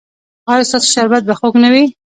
ایا ستاسو شربت به خوږ نه وي؟